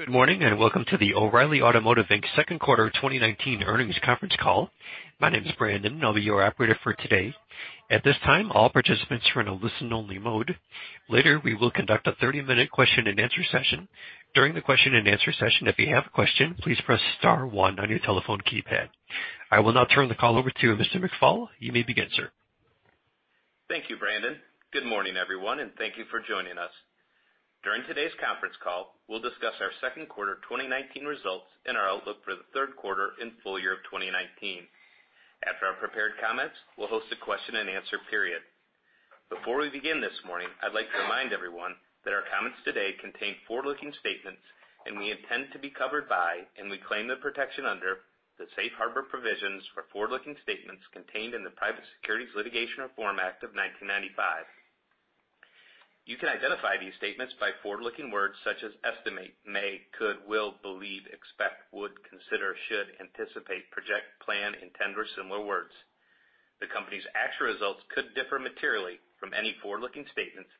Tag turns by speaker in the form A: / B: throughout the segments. A: Good morning, and welcome to the O'Reilly Automotive Inc.'s second quarter 2019 earnings conference call. My name is Brandon, I'll be your operator for today. At this time, all participants are in a listen-only mode. Later, we will conduct a 30-minute question and answer session. During the question and answer session, if you have a question, please press star one on your telephone keypad. I will now turn the call over to Mr. McFall. You may begin, sir.
B: Thank you, Brandon. Good morning, everyone, and thank you for joining us. During today's conference call, we'll discuss our second quarter 2019 results and our outlook for the third quarter and full year of 2019. After our prepared comments, we'll host a question and answer period. Before we begin this morning, I'd like to remind everyone that our comments today contain forward-looking statements and we intend to be covered by, and we claim the protection under, the safe harbor provisions for forward-looking statements contained in the Private Securities Litigation Reform Act of 1995. You can identify these statements by forward-looking words such as estimate, may, could, will, believe, expect, would, consider, should, anticipate, project, plan, intend, or similar words. The company's actual results could differ materially from any forward-looking statements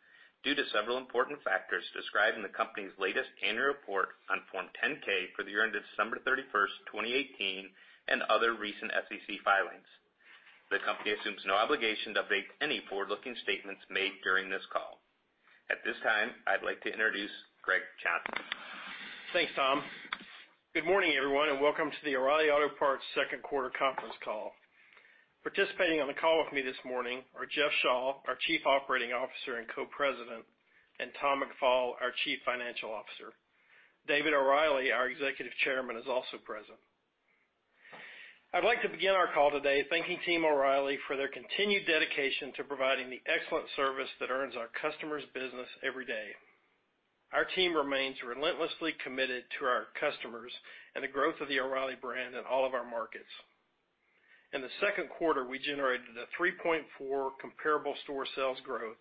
B: due to several important factors described in the company's latest annual report on Form 10-K for the year ended December 31st, 2018, and other recent SEC filings. The company assumes no obligation to update any forward-looking statements made during this call. At this time, I'd like to introduce Greg Johnson.
C: Thanks, Tom. Good morning, everyone, and welcome to the O'Reilly Auto Parts second quarter conference call. Participating on the call with me this morning are Jeff Shaw, our Chief Operating Officer and Co-President, and Tom McFall, our Chief Financial Officer. David O'Reilly, our Executive Chairman, is also present. I'd like to begin our call today thanking Team O'Reilly for their continued dedication to providing the excellent service that earns our customers business every day. Our team remains relentlessly committed to our customers and the growth of the O'Reilly brand in all of our markets. In the second quarter, we generated a 3.4% comparable store sales growth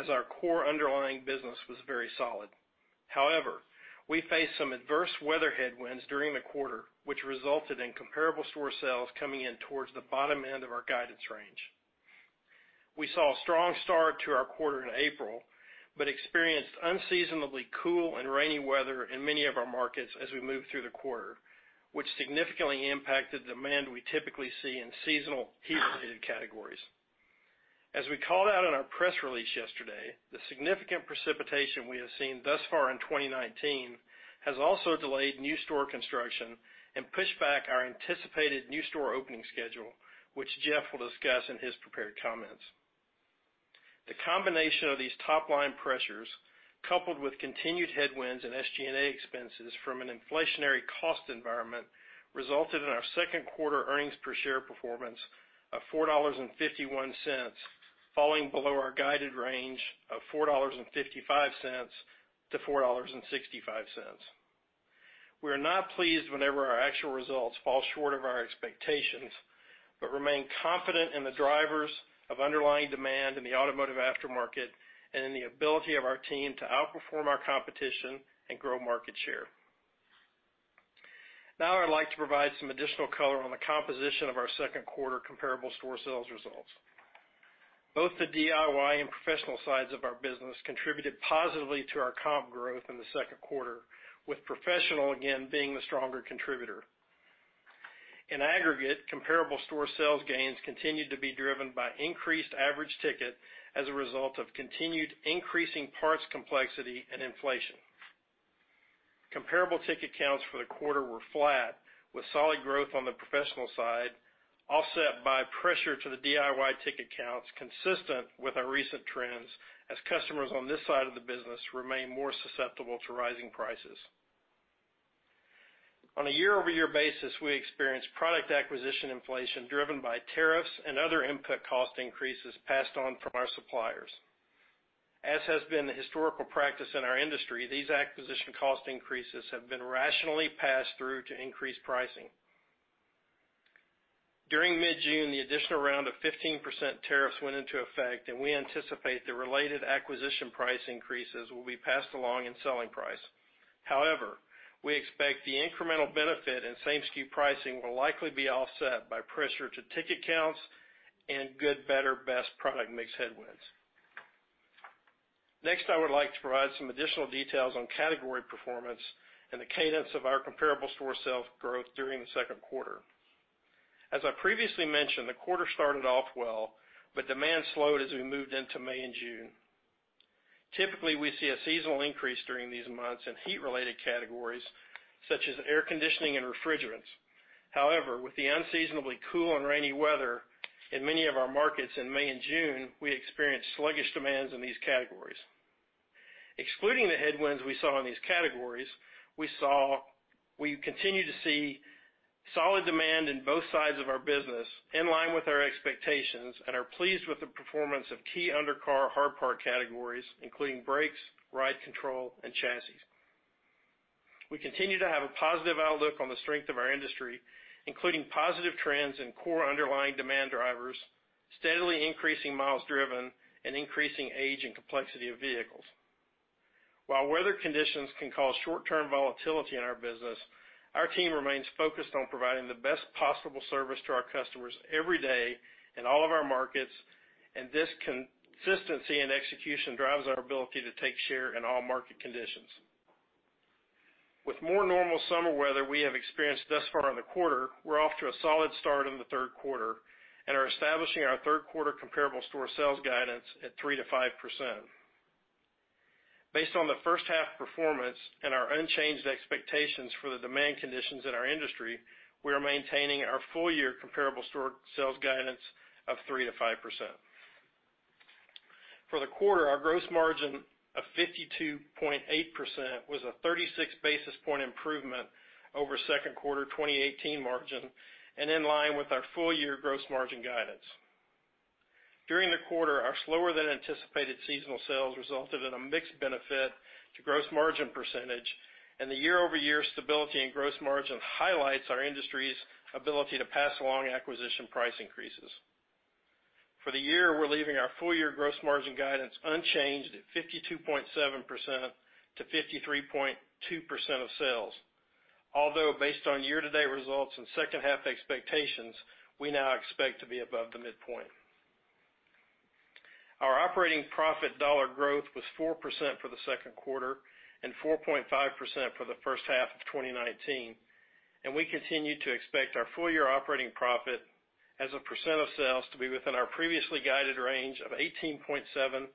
C: as our core underlying business was very solid. However, we faced some adverse weather headwinds during the quarter, which resulted in comparable store sales coming in towards the bottom end of our guidance range. We saw a strong start to our quarter in April, but experienced unseasonably cool and rainy weather in many of our markets as we moved through the quarter, which significantly impacted demand we typically see in seasonal heat-related categories. As we called out in our press release yesterday, the significant precipitation we have seen thus far in 2019 has also delayed new store construction and pushed back our anticipated new store opening schedule, which Jeff will discuss in his prepared comments. The combination of these top-line pressures, coupled with continued headwinds in SG&A expenses from an inflationary cost environment, resulted in our second quarter earnings per share performance of $4.51, falling below our guided range of $4.55 to $4.65. We are not pleased whenever our actual results fall short of our expectations, but remain confident in the drivers of underlying demand in the automotive aftermarket and in the ability of our team to outperform our competition and grow market share. Now, I'd like to provide some additional color on the composition of our second quarter comparable store sales results. Both the DIY and professional sides of our business contributed positively to our comp growth in the second quarter, with professional again being the stronger contributor. In aggregate, comparable store sales gains continued to be driven by increased average ticket as a result of continued increasing parts complexity and inflation. Comparable ticket counts for the quarter were flat with solid growth on the professional side, offset by pressure to the DIY ticket counts consistent with our recent trends as customers on this side of the business remain more susceptible to rising prices. On a year-over-year basis, we experienced product acquisition inflation driven by tariffs and other input cost increases passed on from our suppliers. As has been the historical practice in our industry, these acquisition cost increases have been rationally passed through to increased pricing. During mid-June, the additional round of 15% tariffs went into effect, and we anticipate the related acquisition price increases will be passed along in selling price. However, we expect the incremental benefit in same-SKU pricing will likely be offset by pressure to ticket counts and good, better, best product mix headwinds. Next, I would like to provide some additional details on category performance and the cadence of our comparable store sales growth during the second quarter. As I previously mentioned, the quarter started off well, but demand slowed as we moved into May and June. Typically, we see a seasonal increase during these months in heat-related categories such as air conditioning and refrigerants. However, with the unseasonably cool and rainy weather in many of our markets in May and June, we experienced sluggish demands in these categories. Excluding the headwinds we saw in these categories, we continue to see solid demand in both sides of our business, in line with our expectations and are pleased with the performance of key undercar hard part categories, including brakes, ride control, and chassis. We continue to have a positive outlook on the strength of our industry, including positive trends in core underlying demand drivers, steadily increasing miles driven, and increasing age and complexity of vehicles. While weather conditions can cause short-term volatility in our business, our team remains focused on providing the best possible service to our customers every day in all of our markets, and this consistency in execution drives our ability to take share in all market conditions. With more normal summer weather we have experienced thus far in the quarter, we're off to a solid start in the third quarter and are establishing our third-quarter comparable store sales guidance at 3%-5%. Based on the first half performance and our unchanged expectations for the demand conditions in our industry, we are maintaining our full-year comparable store sales guidance of 3%-5%. For the quarter, our gross margin of 52.8% was a 36-basis-point improvement over second quarter 2018 margin and in line with our full-year gross margin guidance. During the quarter, our slower-than-anticipated seasonal sales resulted in a mixed benefit to gross margin percentage, and the year-over-year stability in gross margin highlights our industry's ability to pass along acquisition price increases. For the year, we're leaving our full-year gross margin guidance unchanged at 52.7%-53.2% of sales. Although, based on year-to-date results and second half expectations, we now expect to be above the midpoint. Our operating profit dollar growth was 4% for the second quarter and 4.5% for the first half of 2019, and we continue to expect our full-year operating profit as a % of sales to be within our previously guided range of 18.7%-19.2%.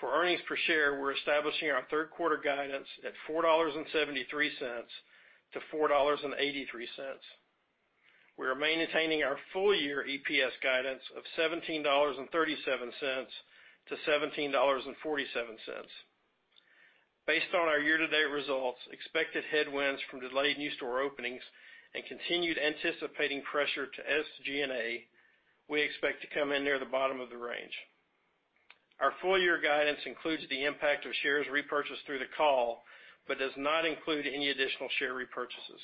C: For earnings per share, we're establishing our third quarter guidance at $4.73-$4.83. We are maintaining our full-year EPS guidance of $17.37-$17.47. Based on our year-to-date results, expected headwinds from delayed new store openings, and continued anticipating pressure to SG&A, we expect to come in near the bottom of the range. Our full-year guidance includes the impact of shares repurchased through the call but does not include any additional share repurchases.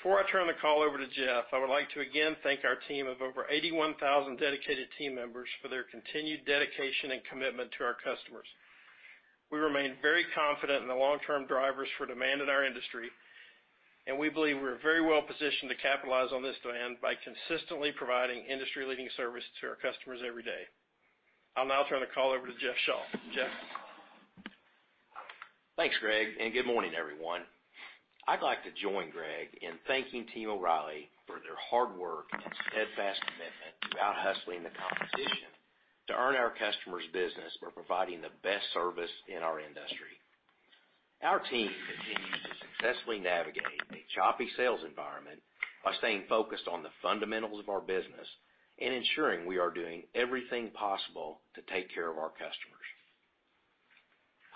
C: Before I turn the call over to Jeff, I would like to again thank our team of over 81,000 dedicated team members for their continued dedication and commitment to our customers. We remain very confident in the long-term drivers for demand in our industry, and we believe we're very well positioned to capitalize on this demand by consistently providing industry-leading service to our customers every day. I'll now turn the call over to Jeff Shaw. Jeff?
D: Thanks, Greg, and good morning, everyone. I'd like to join Greg in thanking Team O'Reilly for their hard work and steadfast commitment to out-hustling the competition to earn our customers' business. We're providing the best service in our industry. Our team continues to successfully navigate a choppy sales environment by staying focused on the fundamentals of our business and ensuring we are doing everything possible to take care of our customers.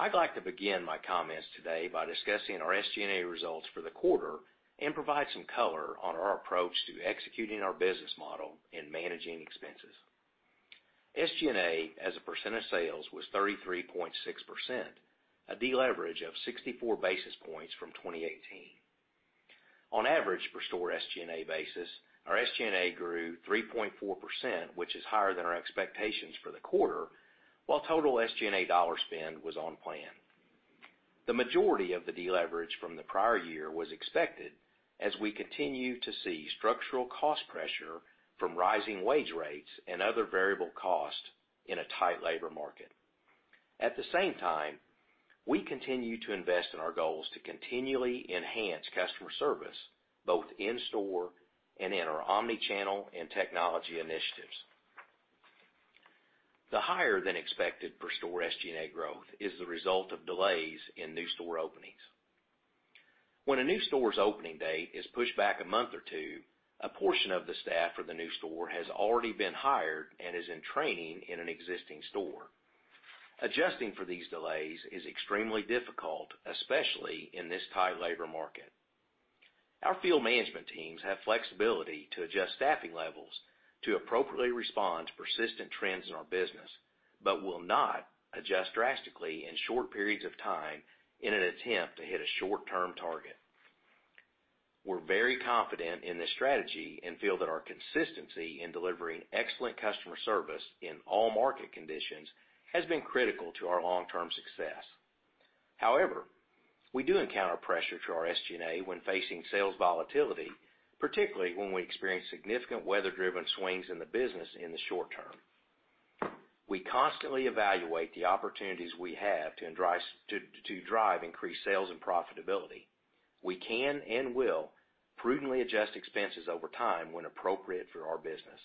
D: I'd like to begin my comments today by discussing our SG&A results for the quarter and provide some color on our approach to executing our business model and managing expenses. SG&A as a percent of sales was 33.6%, a deleverage of 64 basis points from 2018. On average, per store SG&A basis, our SG&A grew 3.4%, which is higher than our expectations for the quarter, while total SG&A dollar spend was on plan. The majority of the deleverage from the prior year was expected as we continue to see structural cost pressure from rising wage rates and other variable costs in a tight labor market. At the same time, we continue to invest in our goals to continually enhance customer service, both in store and in our omni-channel and technology initiatives. The higher than expected per store SG&A growth is the result of delays in new store openings. When a new store's opening date is pushed back a month or two, a portion of the staff for the new store has already been hired and is in training in an existing store. Adjusting for these delays is extremely difficult, especially in this tight labor market. Our field management teams have flexibility to adjust staffing levels to appropriately respond to persistent trends in our business but will not adjust drastically in short periods of time in an attempt to hit a short-term target. We're very confident in this strategy and feel that our consistency in delivering excellent customer service in all market conditions has been critical to our long-term success. However, we do encounter pressure to our SG&A when facing sales volatility, particularly when we experience significant weather-driven swings in the business in the short term. We constantly evaluate the opportunities we have to drive increased sales and profitability. We can and will prudently adjust expenses over time when appropriate for our business.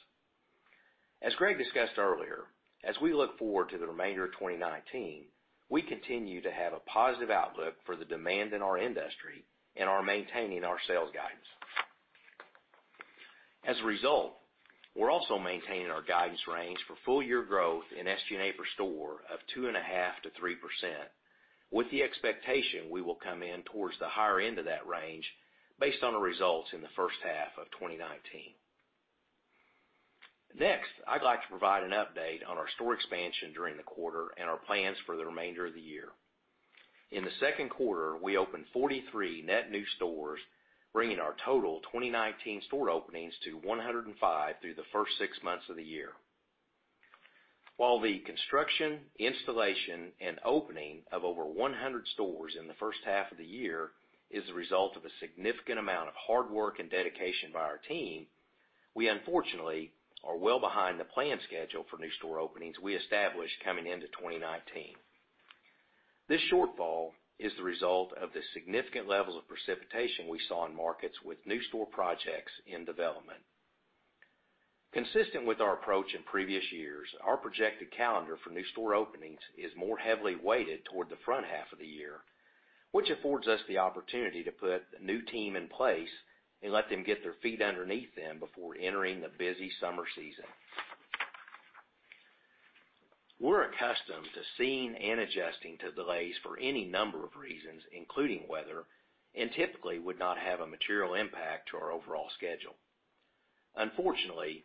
D: As Greg discussed earlier, as we look forward to the remainder of 2019, we continue to have a positive outlook for the demand in our industry and are maintaining our sales guidance. As a result, we're also maintaining our guidance range for full-year growth in SG&A per store of 2.5%-3%, with the expectation we will come in towards the higher end of that range based on the results in the first half of 2019. Next, I'd like to provide an update on our store expansion during the quarter and our plans for the remainder of the year. In the second quarter, we opened 43 net new stores, bringing our total 2019 store openings to 105 through the first six months of the year. While the construction, installation, and opening of over 100 stores in the first half of the year is the result of a significant amount of hard work and dedication by our team. We unfortunately are well behind the plan schedule for new store openings we established coming into 2019. This shortfall is the result of the significant levels of precipitation we saw in markets with new store projects in development. Consistent with our approach in previous years, our projected calendar for new store openings is more heavily weighted toward the front half of the year, which affords us the opportunity to put a new team in place and let them get their feet underneath them before entering the busy summer season. We're accustomed to seeing and adjusting to delays for any number of reasons, including weather, and typically would not have a material impact to our overall schedule. Unfortunately,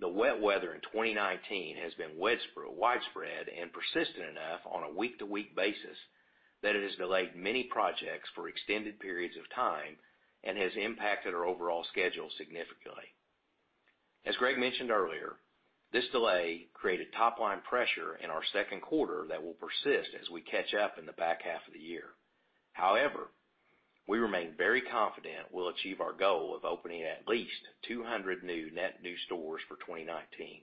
D: the wet weather in 2019 has been widespread and persistent enough on a week-to-week basis that it has delayed many projects for extended periods of time and has impacted our overall schedule significantly. As Greg mentioned earlier, this delay created top-line pressure in our second quarter that will persist as we catch up in the back half of the year. However, we remain very confident we'll achieve our goal of opening at least 200 new net new stores for 2019.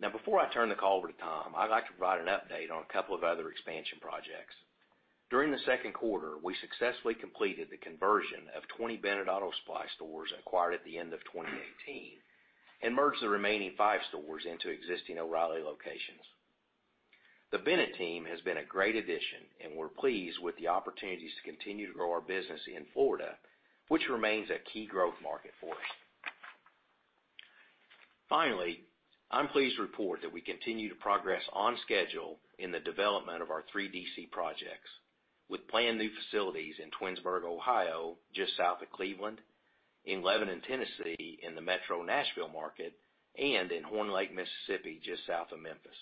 D: Now, before I turn the call over to Tom, I'd like to provide an update on a couple of other expansion projects. During the second quarter, we successfully completed the conversion of 20 Bennett Auto Supply stores acquired at the end of 2018 and merged the remaining five stores into existing O'Reilly locations. The Bennett team has been a great addition, and we're pleased with the opportunities to continue to grow our business in Florida, which remains a key growth market for us. Finally, I'm pleased to report that we continue to progress on schedule in the development of our three DC projects, with planned new facilities in Twinsburg, Ohio, just south of Cleveland, in Lebanon, Tennessee, in the metro Nashville market, and in Horn Lake, Mississippi, just south of Memphis.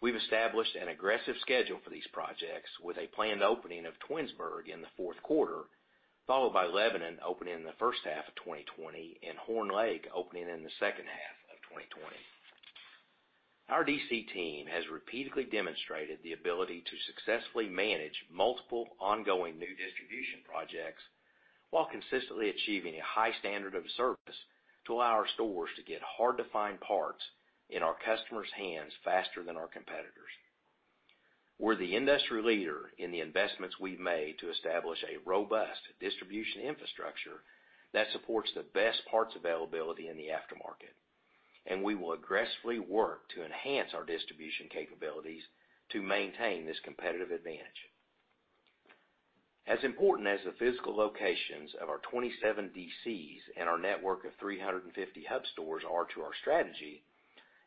D: We've established an aggressive schedule for these projects with a planned opening of Twinsburg in the fourth quarter, followed by Lebanon opening in the first half of 2020 and Horn Lake opening in the second half of 2020. Our DC team has repeatedly demonstrated the ability to successfully manage multiple ongoing new distribution projects while consistently achieving a high standard of service to allow our stores to get hard-to-find parts in our customers' hands faster than our competitors. We're the industry leader in the investments we've made to establish a robust distribution infrastructure that supports the best parts availability in the aftermarket, and we will aggressively work to enhance our distribution capabilities to maintain this competitive advantage. As important as the physical locations of our 27 DCs and our network of 350 hub stores are to our strategy,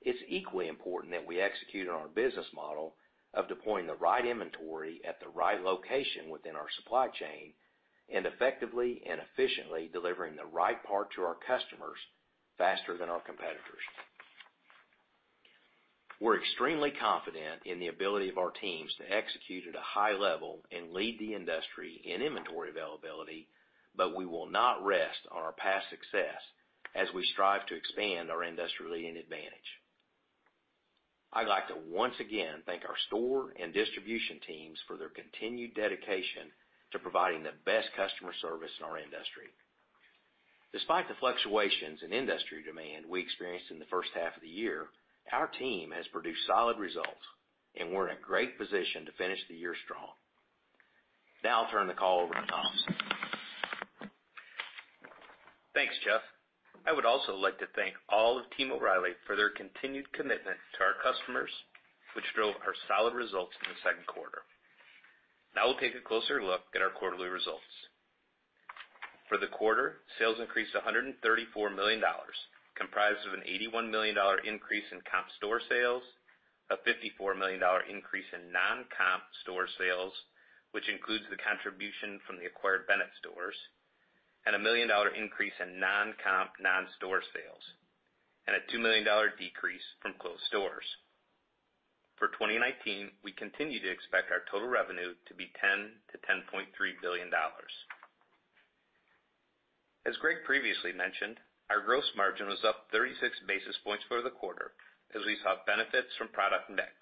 D: it's equally important that we execute on our business model of deploying the right inventory at the right location within our supply chain and effectively and efficiently delivering the right part to our customers faster than our competitors. We're extremely confident in the ability of our teams to execute at a high level and lead the industry in inventory availability, but we will not rest on our past success as we strive to expand our industry-leading advantage. I'd like to once again thank our store and distribution teams for their continued dedication to providing the best customer service in our industry. Despite the fluctuations in industry demand we experienced in the first half of the year, our team has produced solid results, and we're in a great position to finish the year strong. I'll turn the call over to Tom.
B: Thanks, Jeff. I would also like to thank all of Team O'Reilly for their continued commitment to our customers, which drove our solid results in the second quarter. Now we'll take a closer look at our quarterly results. For the quarter, sales increased $134 million, comprised of an $81 million increase in comp store sales, a $54 million increase in non-comp store sales, which includes the contribution from the acquired Bennett stores, and a $1 million increase in non-comp non-store sales, and a $2 million decrease from closed stores. For 2019, we continue to expect our total revenue to be $10 billion-$10.3 billion. As Greg previously mentioned, our gross margin was up 36 basis points for the quarter as we saw benefits from product mix.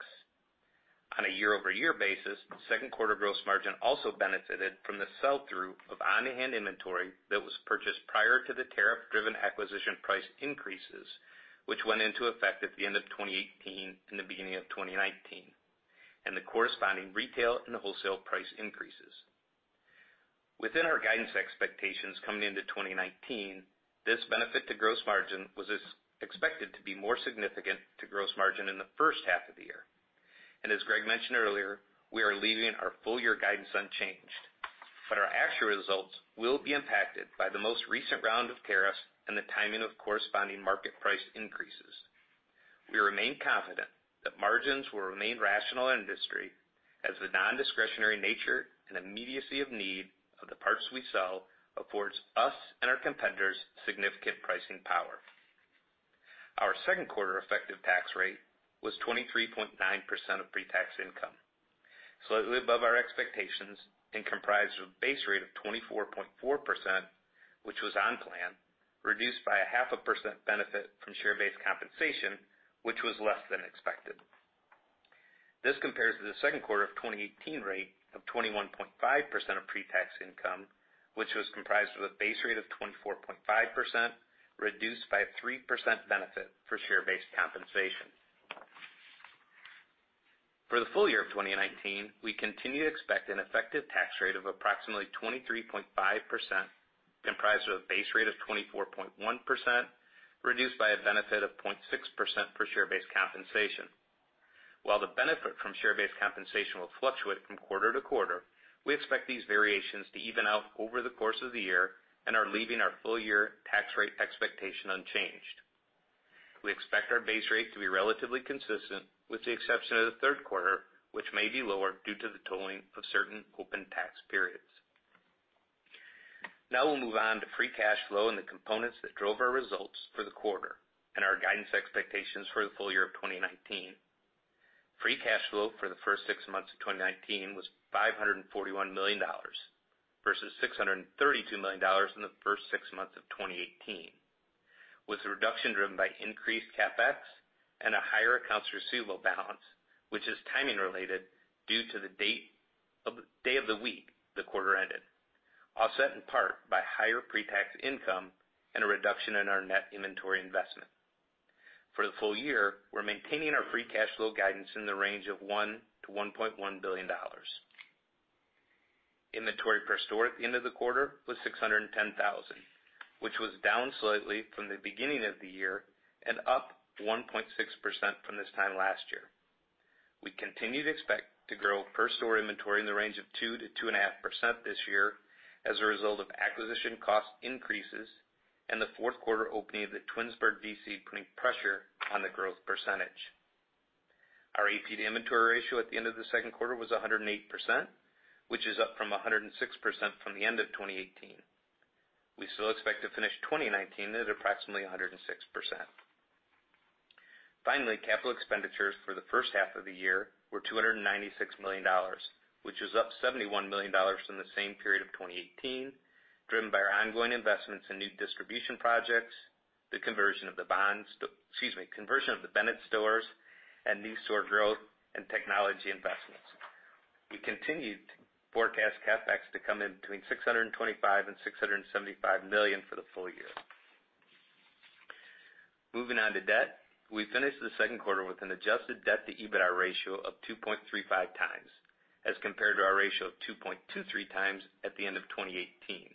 B: On a year-over-year basis, second quarter gross margin also benefited from the sell-through of on-hand inventory that was purchased prior to the tariff-driven acquisition price increases, which went into effect at the end of 2018 and the beginning of 2019, and the corresponding retail and wholesale price increases. Within our guidance expectations coming into 2019, this benefit to gross margin was expected to be more significant to gross margin in the first half of the year. As Greg mentioned earlier, we are leaving our full year guidance unchanged, but our actual results will be impacted by the most recent round of tariffs and the timing of corresponding market price increases. We remain confident that margins will remain rational in industry as the nondiscretionary nature and immediacy of need of the parts we sell affords us and our competitors significant pricing power. Our second quarter effective tax rate was 23.9% of pre-tax income, slightly above our expectations, and comprised of a base rate of 24.4%, which was on plan, reduced by a half a percent benefit from share-based compensation, which was less than expected. This compares to the second quarter of 2018 rate of 21.5% of pre-tax income, which was comprised of a base rate of 24.5%, reduced by a 3% benefit for share-based compensation. For the full year of 2019, we continue to expect an effective tax rate of approximately 23.5%, comprised of a base rate of 24.1%, reduced by a benefit of 0.6% for share-based compensation. While the benefit from share-based compensation will fluctuate from quarter to quarter, we expect these variations to even out over the course of the year and are leaving our full-year tax rate expectation unchanged. We expect our base rate to be relatively consistent, with the exception of the third quarter, which may be lower due to the tolling of certain open tax periods. Now we'll move on to free cash flow and the components that drove our results for the quarter and our guidance expectations for the full year of 2019. Free cash flow for the first six months of 2019 was $541 million versus $632 million in the first six months of 2018, with the reduction driven by increased CapEx and a higher accounts receivable balance, which is timing related due to the day of the week the quarter ended, offset in part by higher pre-tax income and a reduction in our net inventory investment. For the full year, we're maintaining our free cash flow guidance in the range of $1 billion-$1.1 billion. Inventory per store at the end of the quarter was 610,000, which was down slightly from the beginning of the year and up 1.6% from this time last year. We continue to expect to grow per store inventory in the range of 2%-2.5% this year as a result of acquisition cost increases and the fourth quarter opening of the Twinsburg DC putting pressure on the growth percentage. Our AP to inventory ratio at the end of the second quarter was 108%, which is up from 106% from the end of 2018. We still expect to finish 2019 at approximately 106%. Finally, capital expenditures for the first half of the year were $296 million, which was up $71 million from the same period of 2018, driven by our ongoing investments in new distribution projects, the conversion of the Bennett stores, and new store growth and technology investments. We continue to forecast CapEx to come in between $625 million and $675 million for the full year. Moving on to debt. We finished the second quarter with an adjusted debt to EBITDA ratio of 2.35 times as compared to our ratio of 2.23 times at the end of 2018.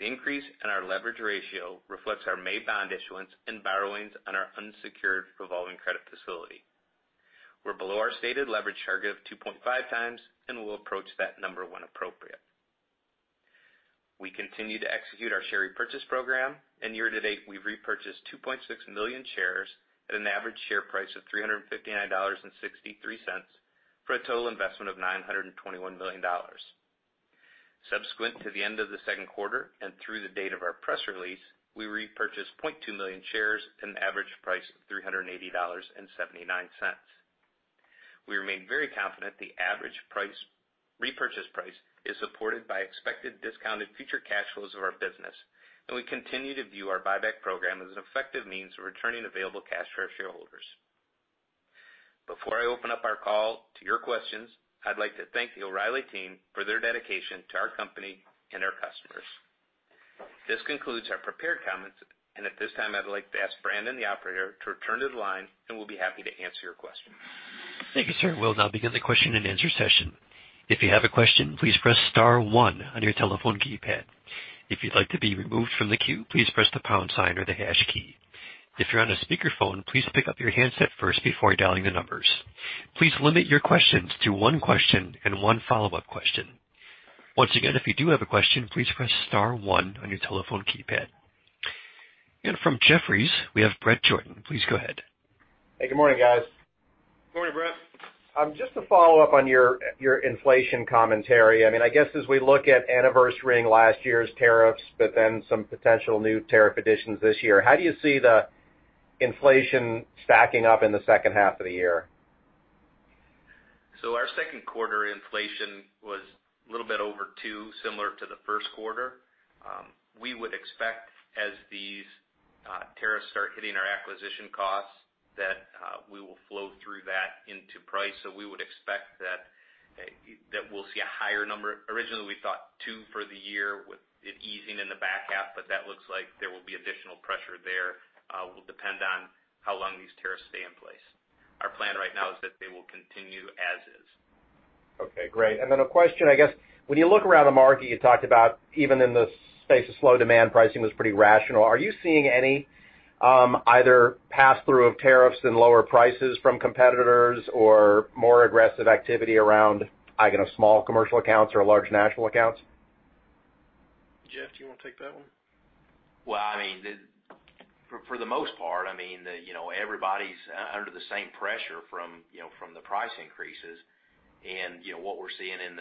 B: The increase in our leverage ratio reflects our May bond issuance and borrowings on our unsecured revolving credit facility. We're below our stated leverage target of 2.5 times, and we'll approach that number when appropriate. We continue to execute our share repurchase program, and year to date, we've repurchased 2.6 million shares at an average share price of $359.63 for a total investment of $921 million. Subsequent to the end of the second quarter and through the date of our press release, we repurchased 0.2 million shares at an average price of $380.79. We remain very confident the average repurchase price is supported by expected discounted future cash flows of our business, and we continue to view our buyback program as an effective means of returning available cash to our shareholders. Before I open up our call to your questions, I'd like to thank the Team O'Reilly for their dedication to our company and our customers. This concludes our prepared comments, and at this time, I'd like to ask Brandon, the operator, to return to the line, and we'll be happy to answer your questions.
A: Thank you, sir. We'll now begin the question and answer session. If you have a question, please press *1 on your telephone keypad. If you'd like to be removed from the queue, please press the pound sign or the hash key. If you're on a speakerphone, please pick up your handset first before dialing the numbers. Please limit your questions to one question and one follow-up question. Once again, if you do have a question, please press *1 on your telephone keypad. From Jefferies, we have Bret Jordan, please go ahead.
E: Hey, good morning, guys.
B: Good morning, Bret.
E: Just to follow up on your inflation commentary. I guess as we look at anniversary-ing last year's tariffs, but then some potential new tariff additions this year, how do you see the inflation stacking up in the second half of the year?
B: Our second quarter inflation was a little bit over 2%, similar to the first quarter. We would expect as these tariffs start hitting our acquisition costs, that we will flow through that into price. We would expect that we'll see a higher number. Originally, we thought 2% for the year with it easing in the back half, that looks like there will be additional pressure there, will depend on how long these tariffs stay in place. Our plan right now is that they will continue as is.
E: Okay, great. A question, I guess when you look around the market, you talked about even in the space of slow demand, pricing was pretty rational. Are you seeing any either pass through of tariffs and lower prices from competitors or more aggressive activity around, again, a small commercial accounts or large national accounts?
B: Jeff, do you want to take that one?
D: Well, for the most part, everybody's under the same pressure from the price increases. What we're seeing in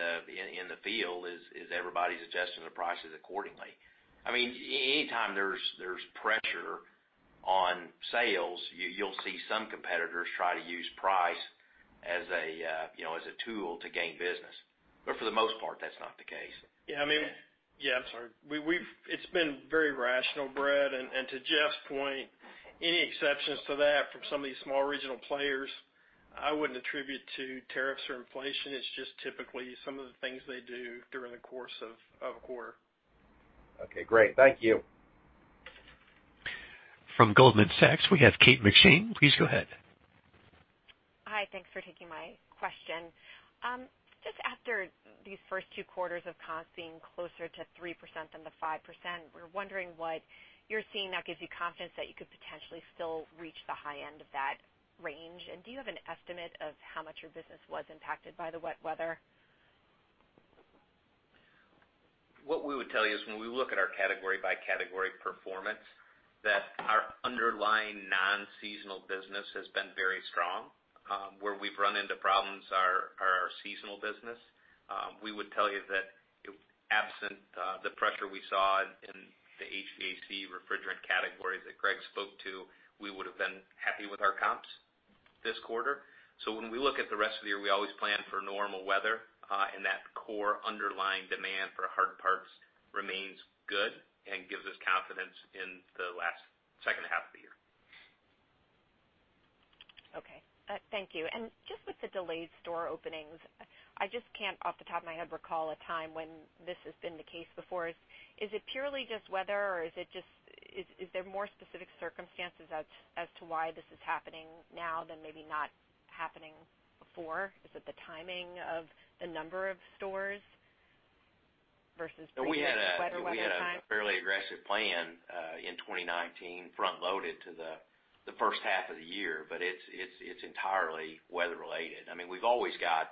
D: the field is everybody's adjusting their prices accordingly. Anytime there's pressure on sales, you'll see some competitors try to use price as a tool to gain business. For the most part, that's not the case.
C: Yeah. I'm sorry. It's been very rational, Bret, and to Jeff's point, any exceptions to that from some of these small regional players, I wouldn't attribute to tariffs or inflation. It's just typically some of the things they do during the course of a quarter.
E: Okay, great. Thank you.
A: From Goldman Sachs, we have Kate McShane, please go ahead.
F: Hi, thanks for taking my question. Just after these first two quarters of comps being closer to 3% than the 5%, we're wondering what you're seeing that gives you confidence that you could potentially still reach the high end of that range. Do you have an estimate of how much your business was impacted by the wet weather?
B: What we would tell you is when we look at our category by category performance, that our underlying non-seasonal business has been very strong. Where we've run into problems are our seasonal business. We would tell you that absent the pressure we saw in the HVAC refrigerant categories that Greg spoke to, we would've been happy with our comps this quarter. When we look at the rest of the year, we always plan for normal weather, and that core underlying demand for hard parts remains good and gives us confidence in the last second half of the year.
F: Okay. Thank you. Just with the delayed store openings, I just can't, off the top of my head, recall a time when this has been the case before. Is it purely just weather, or is there more specific circumstances as to why this is happening now than maybe not happening before? Is it the timing of the number of stores versus previous wet weather times?
D: We had a fairly aggressive plan, in 2019, front-loaded to the first half of the year. It's entirely weather related. We've always got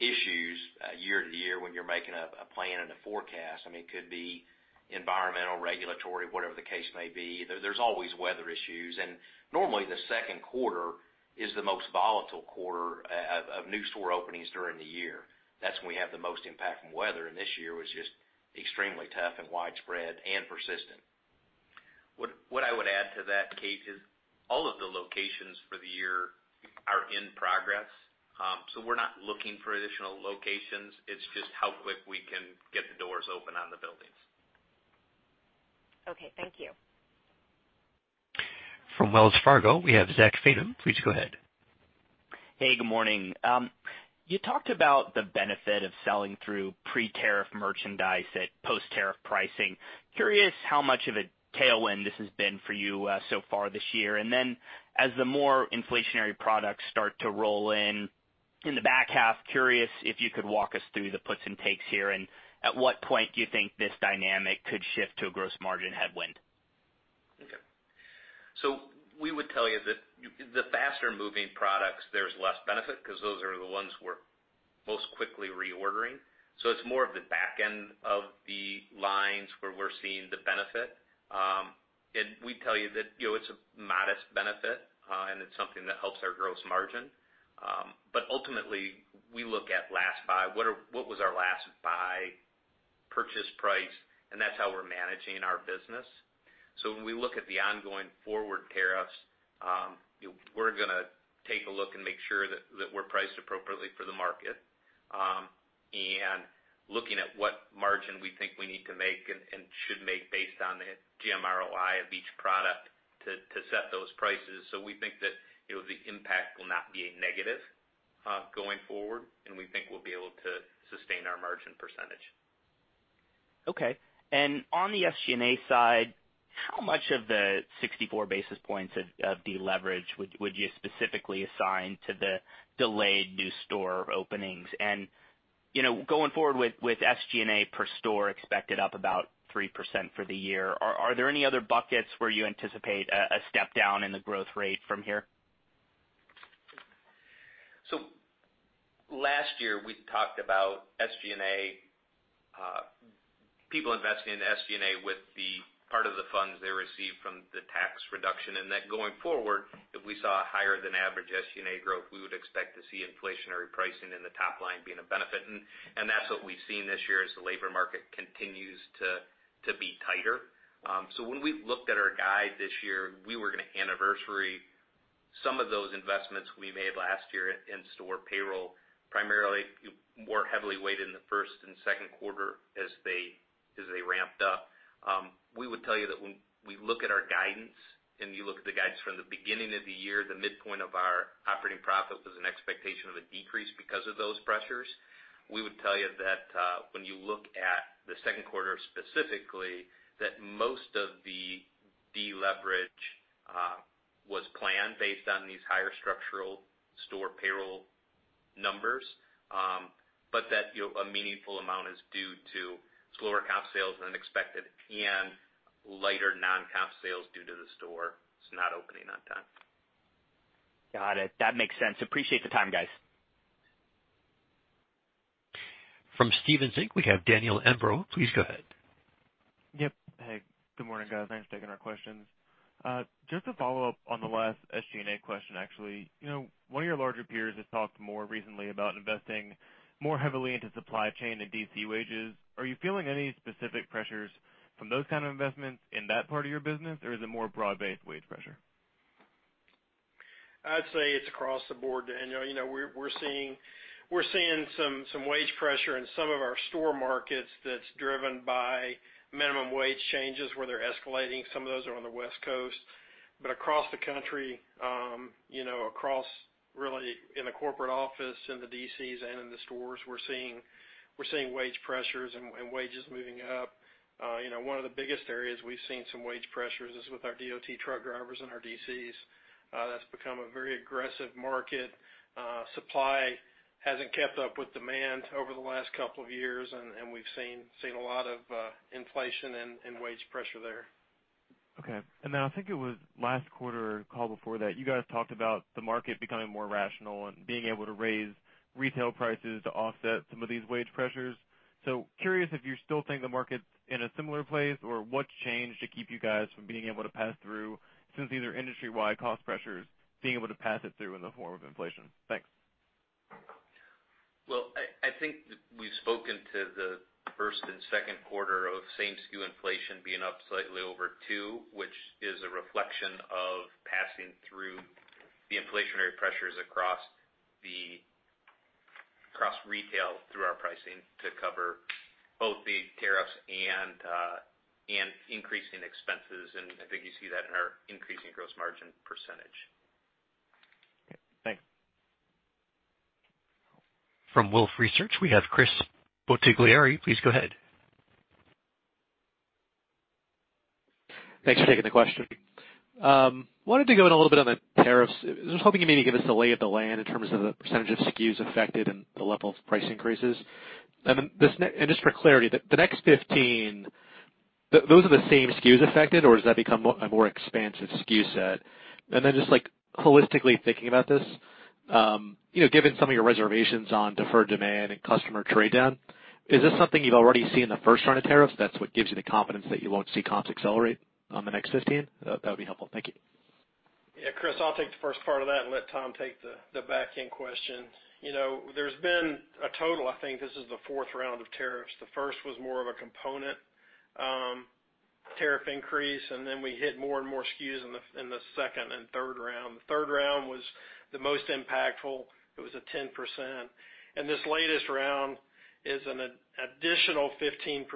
D: issues year to year when you're making a plan and a forecast. It could be environmental, regulatory, whatever the case may be. There's always weather issues. Normally the second quarter is the most volatile quarter of new store openings during the year. That's when we have the most impact from weather. This year was just extremely tough and widespread and persistent. What I would add to that, Kate, is all of the locations for the year are in progress. We're not looking for additional locations, it's just how quick we can get the doors open on the buildings.
F: Okay, thank you.
A: From Wells Fargo, we have Zach Fadem. Please go ahead.
G: Hey, good morning. You talked about the benefit of selling through pre-tariff merchandise at post-tariff pricing. Curious how much of a tailwind this has been for you so far this year. As the more inflationary products start to roll in in the back half, curious if you could walk us through the puts and takes here, and at what point do you think this dynamic could shift to a gross margin headwind?
B: Okay. We would tell you that the faster moving products, there's less benefit because those are the ones we're most quickly reordering. It's more of the back end of the lines where we're seeing the benefit. We'd tell you that it's a modest benefit, and it's something that helps our gross margin. Ultimately, we look at last buy, what was our last buy purchase price, and that's how we're managing our business. When we look at the ongoing forward tariffs, we're going to take a look and make sure that we're priced appropriately for the market. Looking at what margin we think we need to make and should make based on the GMROI of each product to set those prices. We think that the impact will not be a negative going forward, and we think we'll be able to sustain our margin percentage.
G: Okay. On the SG&A side, how much of the 64 basis points of deleverage would you specifically assign to the delayed new store openings? Going forward with SG&A per store expected up about 3% for the year, are there any other buckets where you anticipate a step down in the growth rate from here?
B: Last year we talked about SG&A, people investing in SG&A with the part of the funds they received from the tax reduction, and that going forward, if we saw a higher than average SG&A growth, we would expect to see inflationary pricing in the top line being a benefit. That's what we've seen this year as the labor market continues to be tighter. When we looked at our guide this year, we were going to anniversary some of those investments we made last year in store payroll, primarily more heavily weighted in the first and second quarter as they ramped up. We would tell you that when we look at our guidance, and you look at the guidance from the beginning of the year, the midpoint of our operating profit was an expectation of a decrease because of those pressures. We would tell you that when you look at the second quarter specifically, that most of the deleverage was planned based on these higher structural store payroll numbers. That a meaningful amount is due to slower comp sales than expected and lighter non-comp sales due to the store not opening on time.
G: Got it. That makes sense. Appreciate the time, guys.
A: From Stephens Inc., we have Daniel Imbro. Please go ahead.
H: Yep. Hey, good morning, guys. Thanks for taking our questions. Just to follow up on the last SG&A question, actually. One of your larger peers has talked more recently about investing more heavily into supply chain and DC wages. Are you feeling any specific pressures from those kind of investments in that part of your business, or is it more broad-based wage pressure?
C: I'd say it's across the board, Daniel. We're seeing some wage pressure in some of our store markets that's driven by minimum wage changes where they're escalating. Some of those are on the West Coast. Across the country, across really in the corporate office, in the DCs and in the stores, we're seeing wage pressures and wages moving up. One of the biggest areas we've seen some wage pressures is with our DOT truck drivers and our DCs. That's become a very aggressive market. Supply hasn't kept up with demand over the last couple of years, and we've seen a lot of inflation and wage pressure there.
H: Okay. Then I think it was last quarter or call before that, you guys talked about the market becoming more rational and being able to raise retail prices to offset some of these wage pressures. Curious if you still think the market's in a similar place, or what's changed to keep you guys from being able to pass through, since these are industry-wide cost pressures, being able to pass it through in the form of inflation? Thanks.
B: Well, I think we've spoken to the first and second quarter of same SKU inflation being up slightly over two, which is a reflection of passing through the inflationary pressures across retail through our pricing to cover both the tariffs and increasing expenses, and I think you see that in our increasing gross margin %.
H: Okay, thanks.
A: From Wolfe Research, we have Chris Bottiglieri. Please go ahead.
I: Thanks for taking the question. Wanted to go in a little bit on the tariffs. I was hoping you maybe give us the lay of the land in terms of the percentage of SKUs affected and the level of price increases. Just for clarity, the next 15, those are the same SKUs affected, or does that become a more expansive SKU set? Then just holistically thinking about this, given some of your reservations on deferred demand and customer trade down, is this something you've already seen in the first round of tariffs, that's what gives you the confidence that you won't see comps accelerate on the next 15? That would be helpful. Thank you.
C: Yeah, Chris, I'll take the first part of that and let Tom take the back-end question. There's been a total, I think this is the fourth round of tariffs. The first was more of a component tariff increase, then we hit more and more SKUs in the second and third round. The third round was the most impactful. It was a 10%. This latest round is an additional 15%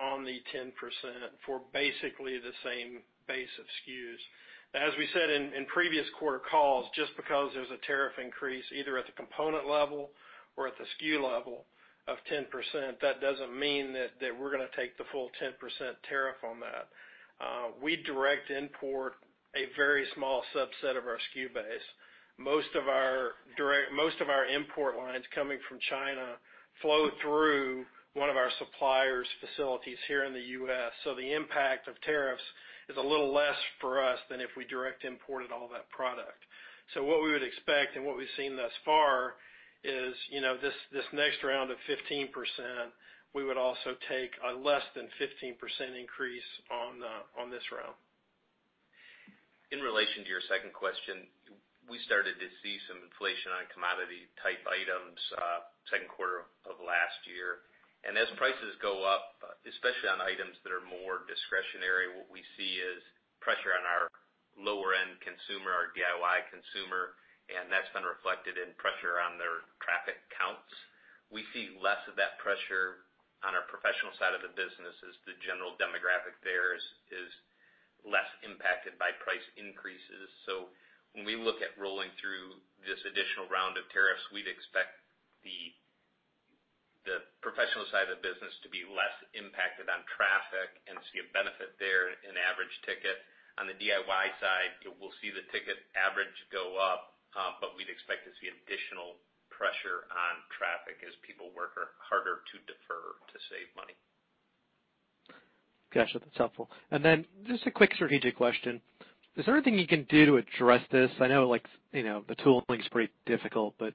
C: on the 10% for basically the same base of SKUs. As we said in previous quarter calls, just because there's a tariff increase, either at the component level or at the SKU level of 10%, that doesn't mean that we're going to take the full 10% tariff on that. We direct import a very small subset of our SKU base. Most of our import lines coming from China flow through one of our suppliers' facilities here in the U.S., so the impact of tariffs is a little less for us than if we direct imported all that product. What we would expect and what we've seen thus far is this next round of 15%, we would also take a less than 15% increase on this round.
B: In relation to your second question, we started to see some inflation on commodity type items second quarter of last year. As prices go up, especially on items that are more discretionary, what we see is pressure on our lower end consumer, our DIY consumer, and that's been reflected in pressure on their traffic counts. We see less of that pressure on our professional side of the business as the general demographic there is less impacted by price increases. When we look at rolling through this additional round of tariffs, we'd expect the professional side of the business to be less impacted on traffic and see a benefit there in average ticket. On the DIY side, we'll see the ticket average go up, but we'd expect to see additional pressure on traffic as people work harder to defer to save money.
I: Got you. That's helpful. Then just a quick strategic question. Is there anything you can do to address this? I know the tooling's pretty difficult, but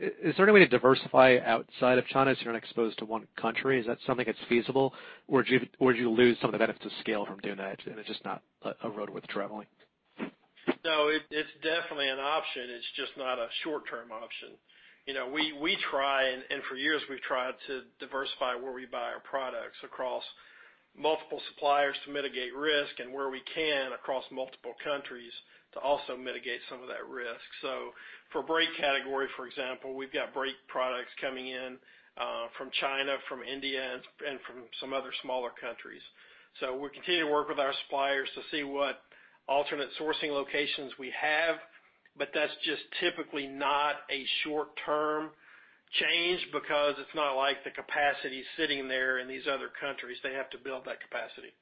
I: is there any way to diversify outside of China so you're not exposed to one country? Is that something that's feasible, or do you lose some of the benefits of scale from doing that, and it's just not a road worth traveling?
C: It's definitely an option. It's just not a short-term option. We try, and for years we've tried to diversify where we buy our products across multiple suppliers to mitigate risk and where we can across multiple countries to also mitigate some of that risk. For brake category, for example, we've got brake products coming in from China, from India, and from some other smaller countries. We continue to work with our suppliers to see what alternate sourcing locations we have, but that's just typically not a short-term change because it's not like the capacity's sitting there in these other countries. They have to build that capacity.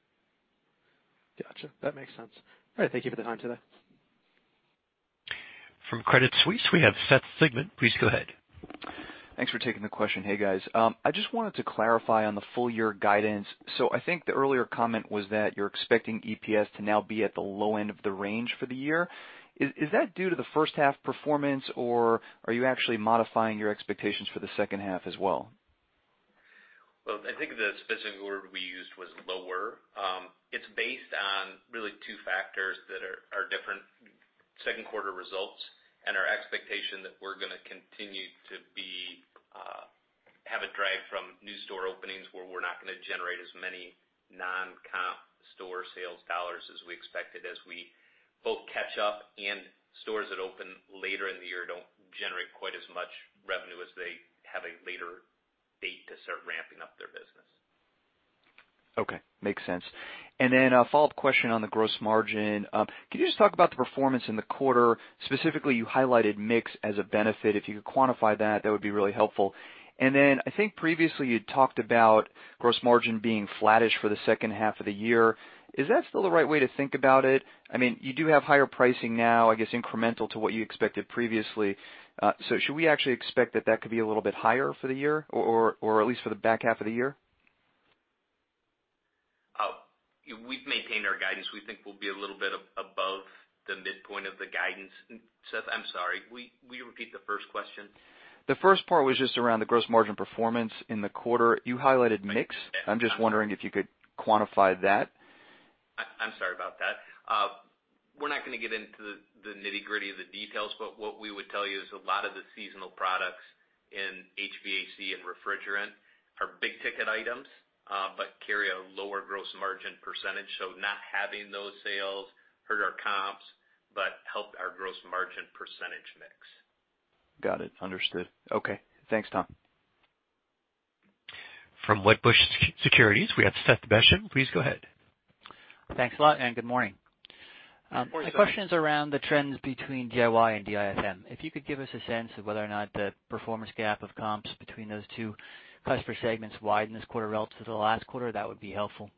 I: Got you. That makes sense. All right. Thank you for the time today.
A: From Credit Suisse, we have Seth Sigman. Please go ahead.
J: Thanks for taking the question. Hey, guys. I just wanted to clarify on the full year guidance. I think the earlier comment was that you're expecting EPS to now be at the low end of the range for the year. Is that due to the first half performance, or are you actually modifying your expectations for the second half as well?
B: Well, I think the specific word we used was lower. It is based on really two factors that are different. Second quarter results and our expectation that we are going to continue to be
C: Drag from new store openings where we're not going to generate as many non-comp store sales dollars as we expected, as we both catch up and stores that open later in the year don't generate quite as much revenue as they have a later date to start ramping up their business.
J: Okay. Makes sense. Then a follow-up question on the gross margin. Could you just talk about the performance in the quarter? Specifically, you highlighted mix as a benefit. If you could quantify that would be really helpful. Then I think previously you'd talked about gross margin being flattish for the second half of the year. Is that still the right way to think about it? You do have higher pricing now, I guess, incremental to what you expected previously. Should we actually expect that that could be a little bit higher for the year or at least for the back half of the year?
B: We've maintained our guidance. We think we'll be a little bit above the midpoint of the guidance. Seth, I'm sorry. Will you repeat the first question?
J: The first part was just around the gross margin performance in the quarter. You highlighted mix. I'm just wondering if you could quantify that.
B: I'm sorry about that. We're not going to get into the nitty-gritty of the details, but what we would tell you is a lot of the seasonal products in HVAC and refrigerant are big-ticket items, but carry a lower gross margin percentage. Not having those sales hurt our comps, but helped our gross margin percentage mix.
J: Got it. Understood. Okay. Thanks, Tom.
A: From Wedbush Securities, we have Seth Basham. Please go ahead.
K: Thanks a lot, and good morning.
C: Good morning, Seth.
K: My question is around the trends between DIY and DIFM. If you could give us a sense of whether or not the performance gap of comps between those two customer segments widened this quarter relative to the last quarter, that would be helpful.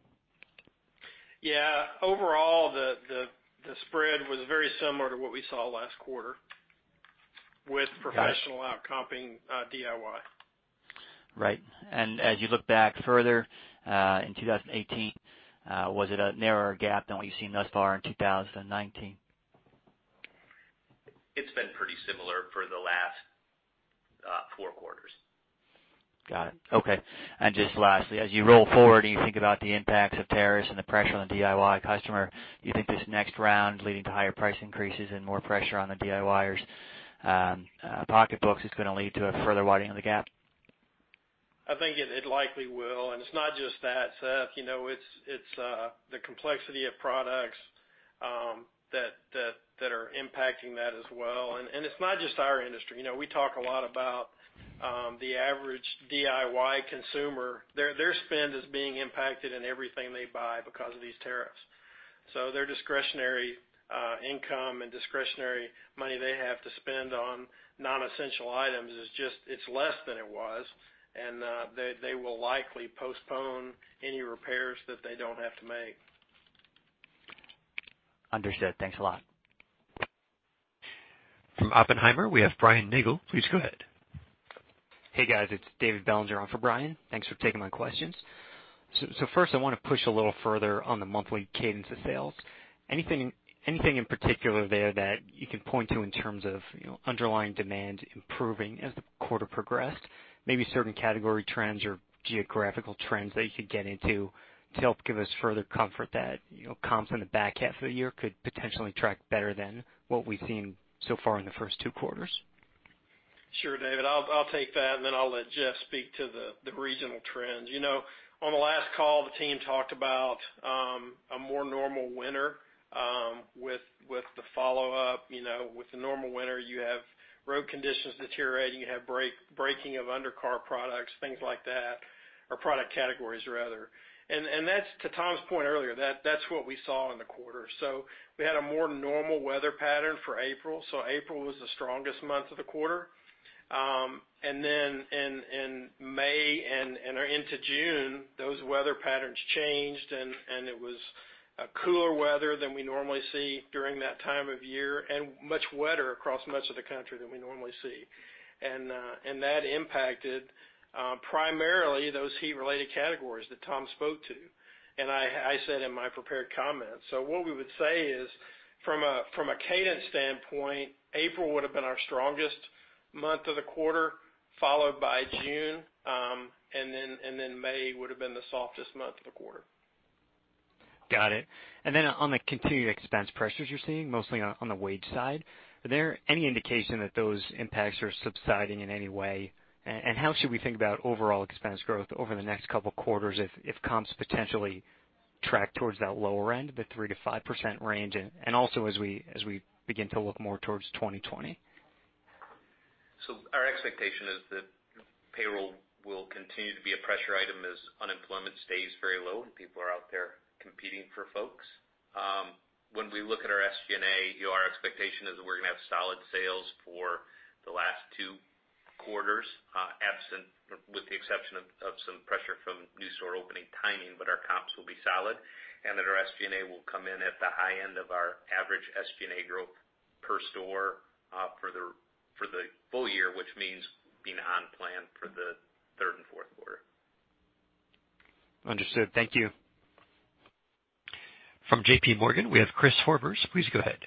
C: Yeah. Overall, the spread was very similar to what we saw last quarter with.
K: Got it.
C: professional outcompeting DIY.
K: Right. As you look back further, in 2018, was it a narrower gap than what you've seen thus far in 2019?
C: It's been pretty similar for the last four quarters.
K: Got it. Okay. Just lastly, as you roll forward and you think about the impacts of tariffs and the pressure on the DIY customer, you think this next round leading to higher price increases and more pressure on the DIYers' pocketbooks is going to lead to a further widening of the gap?
C: I think it likely will. It's not just that, Seth. It's the complexity of products that are impacting that as well. It's not just our industry. We talk a lot about the average DIY consumer. Their spend is being impacted in everything they buy because of these tariffs. Their discretionary income and discretionary money they have to spend on non-essential items is just less than it was, and they will likely postpone any repairs that they don't have to make.
K: Understood. Thanks a lot.
A: From Oppenheimer, we have Brian Nagel. Please go ahead.
L: Hey, guys. It's David Bellinger on for Brian. Thanks for taking my questions. First, I want to push a little further on the monthly cadence of sales. Anything in particular there that you can point to in terms of underlying demand improving as the quarter progressed? Maybe certain category trends or geographical trends that you could get into to help give us further comfort that comps in the back half of the year could potentially track better than what we've seen so far in the first two quarters?
C: Sure, David. I'll take that, and then I'll let Jeff speak to the regional trends. On the last call, the team talked about a more normal winter with the follow-up. With the normal winter, you have road conditions deteriorating, you have breaking of undercar products, things like that, or product categories rather. That's to Tom's point earlier. That's what we saw in the quarter. We had a more normal weather pattern for April, so April was the strongest month of the quarter. Then in May and into June, those weather patterns changed, and it was cooler weather than we normally see during that time of year, and much wetter across much of the country than we normally see. That impacted primarily those heat-related categories that Tom spoke to, and I said in my prepared comments. What we would say is, from a cadence standpoint, April would've been our strongest month of the quarter, followed by June, and then May would've been the softest month of the quarter.
L: Got it. On the continued expense pressures you're seeing, mostly on the wage side, are there any indication that those impacts are subsiding in any way? How should we think about overall expense growth over the next couple of quarters if comps potentially track towards that lower end of the 3%-5% range, and also as we begin to look more towards 2020?
B: Our expectation is that payroll will continue to be a pressure item as unemployment stays very low and people are out there competing for folks. When we look at our SG&A, our expectation is that we're going to have solid sales for the last two quarters, with the exception of some pressure from new store opening timing, but our comps will be solid and that our SG&A will come in at the high end of our average SG&A growth per store for the full year, which means being on plan for the third and fourth quarter.
L: Understood. Thank you.
A: From JPMorgan, we have Chris Horvers. Please go ahead.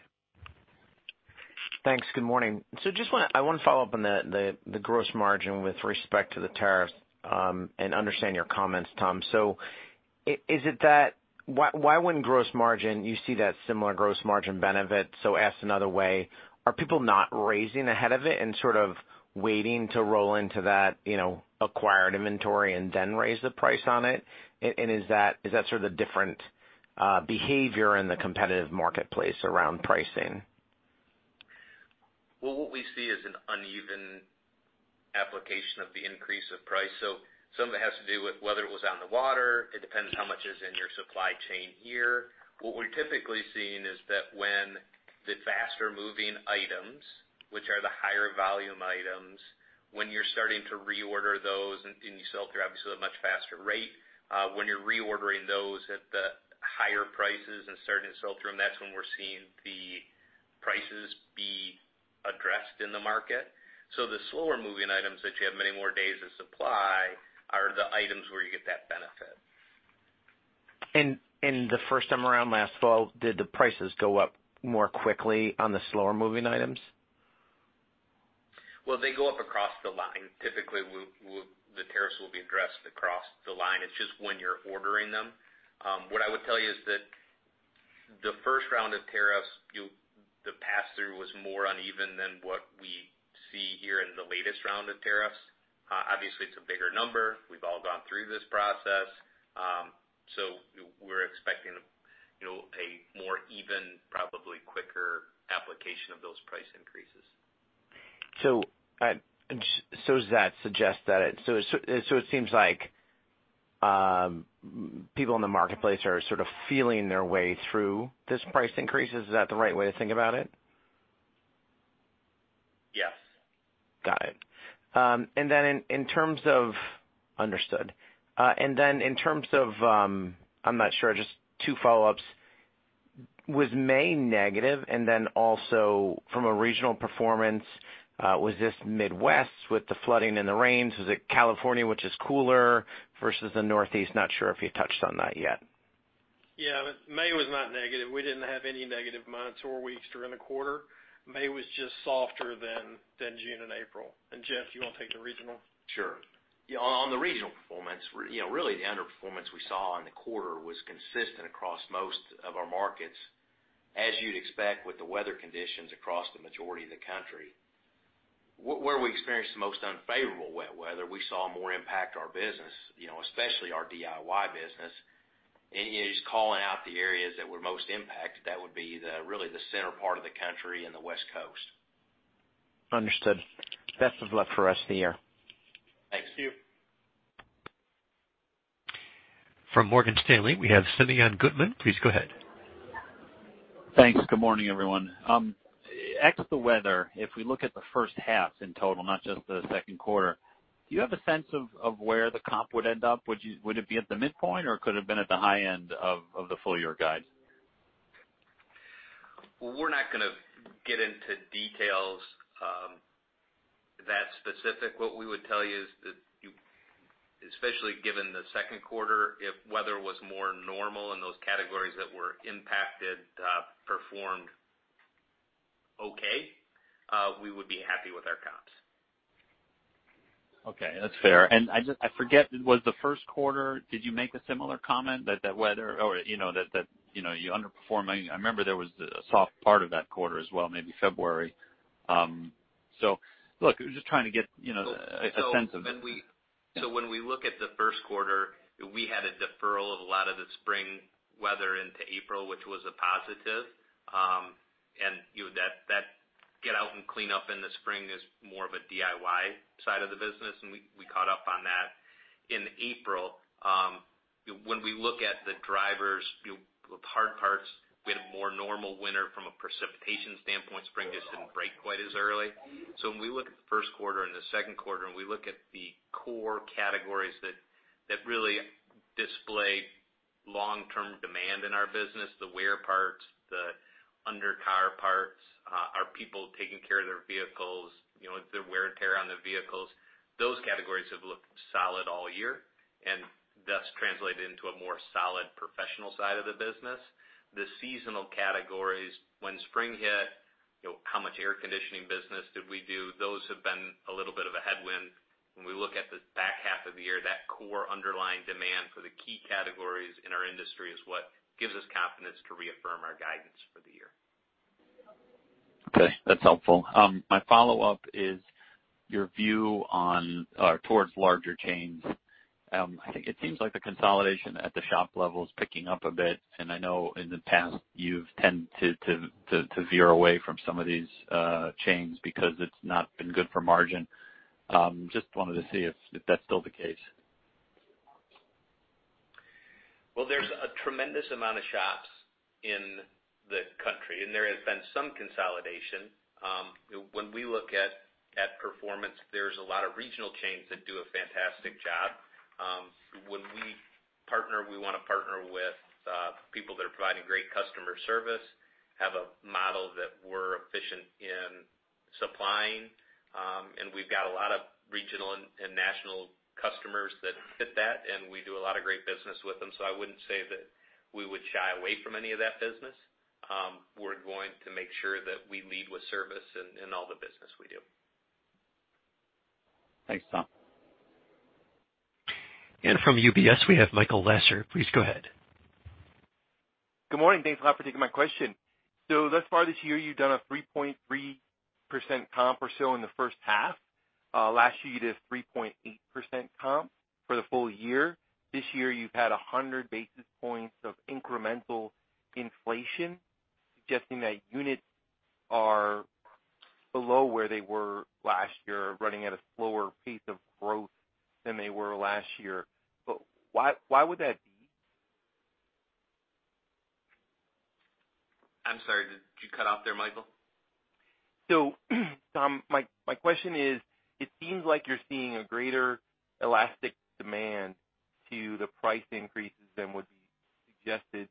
M: Thanks. Good morning. Just I want to follow up on the gross margin with respect to the tariffs, and understand your comments, Tom. Is it that why wouldn't gross margin, you see that similar gross margin benefit? Asked another way, are people not raising ahead of it and sort of waiting to roll into that acquired inventory and then raise the price on it? Is that sort of different behavior in the competitive marketplace around pricing?
B: Well, what we see is an uneven application of the increase of price. Some of it has to do with whether it was on the water. It depends how much is in your supply chain here. What we're typically seeing is that when the faster-moving items, which are the higher volume items, when you're starting to reorder those and you sell through, obviously, at a much faster rate, when you're reordering those at the higher prices and starting to sell through them, that's when we're seeing the prices be addressed in the market. The slower-moving items that you have many more days of supply are the items where you get that benefit.
M: The first time around last fall, did the prices go up more quickly on the slower-moving items?
B: Well, they go up across the line. Typically, the tariffs will be addressed across the line. It's just when you're ordering them. What I would tell you is that the first round of tariffs, the pass-through was more uneven than what we see here in the latest round of tariffs. Obviously, it's a bigger number. We've all gone through this process. We're expecting a more even, probably quicker application of those price increases.
M: It seems like people in the marketplace are sort of feeling their way through this price increase. Is that the right way to think about it?
B: Yes.
M: Got it. Understood. Then in terms of, I'm not sure, just two follow-ups. Was May negative? Then also from a regional performance, was this Midwest with the flooding and the rains? Was it California, which is cooler versus the Northeast? Not sure if you touched on that yet.
C: Yeah. May was not negative. We didn't have any negative months or weeks during the quarter. May was just softer than June and April. Jeff, you want to take the regional?
D: Sure. Yeah, on the regional performance, really the underperformance we saw in the quarter was consistent across most of our markets, as you'd expect with the weather conditions across the majority of the country. Where we experienced the most unfavorable wet weather, we saw more impact our business, especially our DIY business. Just calling out the areas that were most impacted, that would be really the center part of the country and the West Coast.
M: Understood. Best of luck for rest of the year.
D: Thanks. Thank you.
A: From Morgan Stanley, we have Simeon Gutman. Please go ahead.
N: Thanks. Good morning, everyone. Ex the weather, if we look at the first half in total, not just the second quarter, do you have a sense of where the comp would end up? Would it be at the midpoint, or could it have been at the high end of the full-year guide?
B: Well, we're not going to get into details that specific. What we would tell you is that, especially given the second quarter, if weather was more normal and those categories that were impacted performed okay, we would be happy with our comps.
N: Okay. That's fair. I forget, was the first quarter, did you make a similar comment that you're underperforming? I remember there was a soft part of that quarter as well, maybe February. Look, I was just trying to get a sense of it.
B: When we look at the first quarter, we had a deferral of a lot of the spring weather into April, which was a positive. That get out and clean up in the spring is more of a DIY side of the business, and we caught up on that in April. When we look at the drivers, the hard parts, we had a more normal winter from a precipitation standpoint. Spring just didn't break quite as early. When we look at the first quarter and the second quarter, and we look at the core categories that really display long-term demand in our business, the wear parts, the under car parts, are people taking care of their vehicles, the wear and tear on their vehicles. Those categories have looked solid all year, and thus translated into a more solid professional side of the business. The seasonal categories, when spring hit, how much air conditioning business did we do? Those have been a little bit of a headwind. When we look at the back half of the year, that core underlying demand for the key categories in our industry is what gives us confidence to reaffirm our guidance for the year.
N: Okay. That's helpful. My follow-up is your view towards larger chains. It seems like the consolidation at the shop level is picking up a bit. I know in the past, you've tended to veer away from some of these chains because it's not been good for margin. Just wanted to see if that's still the case.
B: Well, there's a tremendous amount of shops in the country. There has been some consolidation. When we look at performance, there's a lot of regional chains that do a fantastic job. When we partner, we want to partner with people that are providing great customer service, have a model that we're efficient in supplying. We've got a lot of regional and national customers that fit that, and we do a lot of great business with them. I wouldn't say that we would shy away from any of that business. We're going to make sure that we lead with service in all the business we do.
N: Thanks, Tom.
A: From UBS, we have Michael Lasser. Please go ahead.
O: Good morning. Thanks a lot for taking my question. Thus far this year, you've done a 3.3% comp or so in the first half. Last year, you did 3.8% comp for the full year. This year, you've had 100 basis points of incremental inflation, suggesting that units are below where they were last year, running at a slower pace of growth than they were last year. Why would that be?
B: I'm sorry, did you cut off there, Michael?
O: Tom, my question is, it seems like you're seeing a greater elastic demand to the price increases than would be suggested,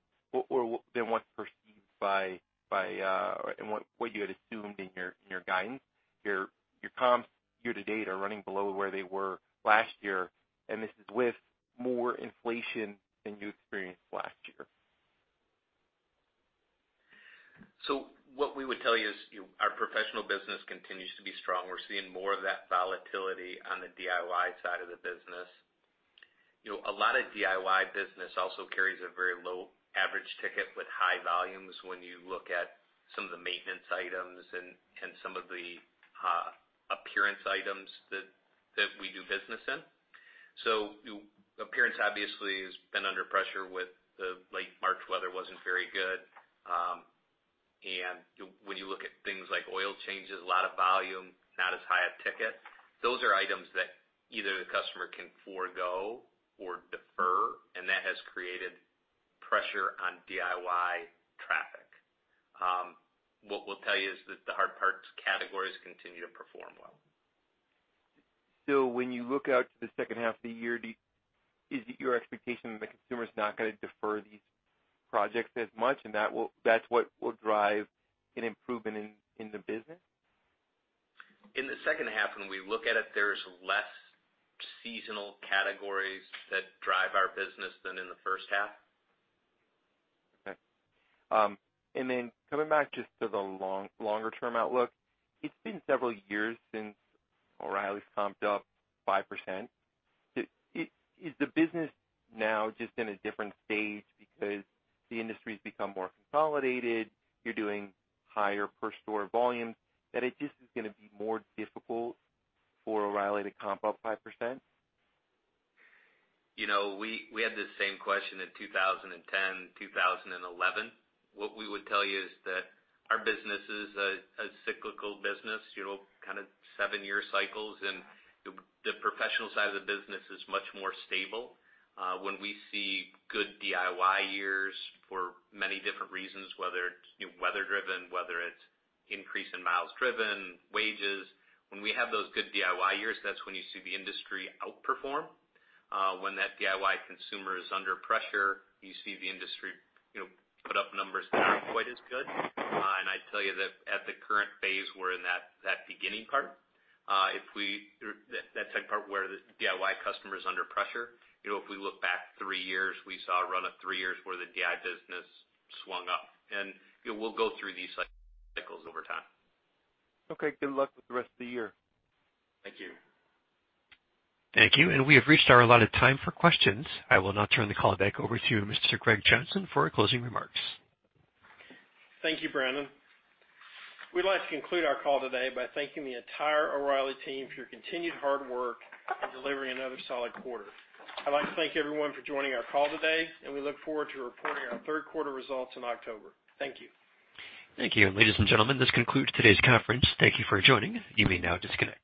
O: or than what's perceived by and what you had assumed in your guidance. Your comps year to date are running below where they were last year, and this is with more inflation than you experienced last year.
B: What we would tell you is our professional business continues to be strong. We're seeing more of that volatility on the DIY side of the business. A lot of DIY business also carries a very low average ticket with high volumes when you look at some of the maintenance items and some of the appearance items that we do business in. Appearance obviously has been under pressure with the late March weather wasn't very good. When you look at things like oil changes, a lot of volume, not as high a ticket, those are items that either the customer can forgo or defer, and that has created pressure on DIY traffic. What we'll tell you is that the hard parts categories continue to perform well.
O: When you look out to the second half of the year, is it your expectation that the consumer's not gonna defer these projects as much, and that's what will drive an improvement in the business?
B: In the second half, when we look at it, there's less seasonal categories that drive our business than in the first half.
O: Okay. Coming back just to the longer term outlook, it's been several years since O'Reilly's comped up 5%. Is the business now just in a different stage because the industry's become more consolidated, you're doing higher per store volume, that it just is gonna be more difficult for O'Reilly to comp up 5%?
B: We had this same question in 2010, 2011. What we would tell you is that our business is a cyclical business, kind of seven-year cycles, and the professional side of the business is much more stable. When we see good DIY years for many different reasons, whether it's weather driven, whether it's increase in miles driven, wages. When we have those good DIY years, that's when you see the industry outperform. When that DIY consumer is under pressure, you see the industry put up numbers that aren't quite as good. I'd tell you that at the current phase, we're in that beginning part, that second part where the DIY customer is under pressure. If we look back three years, we saw a run of three years where the DIY business swung up. We'll go through these cycles over time.
O: Okay. Good luck with the rest of the year.
B: Thank you.
A: Thank you. We have reached our allotted time for questions. I will now turn the call back over to you, Mr. Greg Johnson, for closing remarks.
C: Thank you, Brandon. We'd like to conclude our call today by thanking the entire O'Reilly team for your continued hard work in delivering another solid quarter. I'd like to thank everyone for joining our call today, and we look forward to reporting our third quarter results in October. Thank you.
A: Thank you. Ladies and gentlemen, this concludes today's conference. Thank you for joining. You may now disconnect.